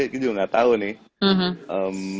itu juga gak tau nih